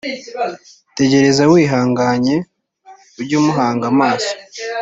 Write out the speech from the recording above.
Tegereza wihanganye ujyumuhanga amaso